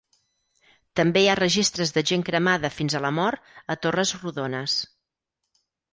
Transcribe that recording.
També hi ha registres de gent cremada fins a la mort a torres rodones.